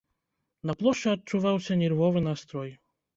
На плошчы адчуваўся нервовы настрой.